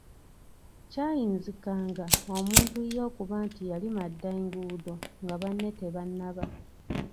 Kyayinzikanga omuntu ye okuba nti yalima dda enguudo nga banne tebannaba.